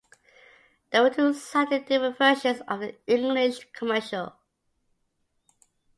There were two slightly different versions of the English commercial.